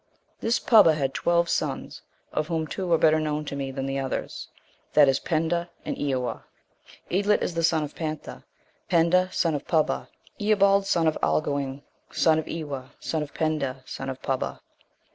* This Pubba had twelve sons, of whom two are better known to me than the others, that is Penda and Eawa. Eadlit is the son of Pantha, Penda, son of Pubba, Ealbald, son of Alguing, son of Eawa, son of Penda, son of Pubba.